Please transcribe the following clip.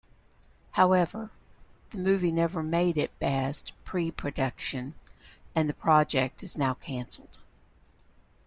However, the movie never made it past pre-production and the project is now canceled.